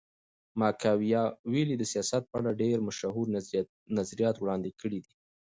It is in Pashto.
ماکیاولي د سیاست په اړه ډېر مشهور نظریات وړاندي کړي دي.